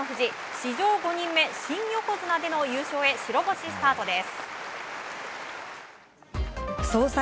史上５人目、新横綱での優勝へ白星スタートです。